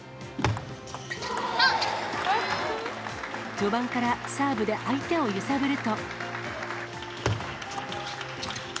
序盤からサーブで相手を揺さぶると。